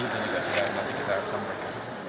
kita juga suka nanti kita akan sambil